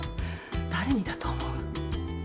誰にだと思う？